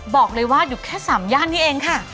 บอกเลยว่าอยู่แค่๓ย่านนี้เองค่ะ